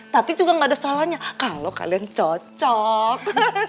tapi juga gak ada salahnya kalau kalian cocok